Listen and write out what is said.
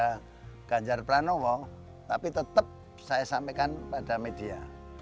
kepada ganjar pranowo tapi tetap saya sampaikan pada media